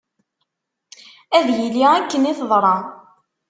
Ad yili akken i teḍra.